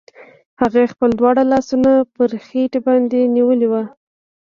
هغې خپل دواړه لاسونه پر خېټې باندې نيولي وو.